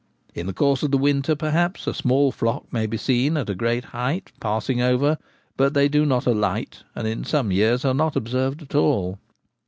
In the course of the winter, perhaps, a small flock may be seen at a great height passing over, but they do not alight, and in some years are not observed at all.